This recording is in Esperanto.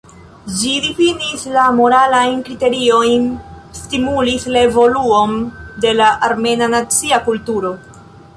Ĝi difinis la moralajn kriteriojn, stimulis la evoluon de la armena nacia kulturo.